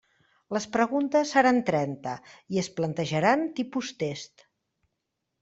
Les preguntes seran trenta i es plantejaran tipus test.